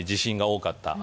地震が多かった。